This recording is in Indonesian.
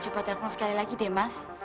coba telepon sekali lagi deh mas